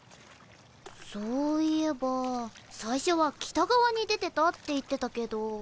そういえば最初は北側に出てたって言ってたけど。